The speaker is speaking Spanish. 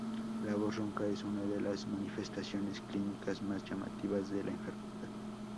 La voz ronca es una de las manifestaciones clínicas más llamativas de la enfermedad.